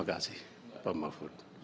orang bisher buat anak tert morphot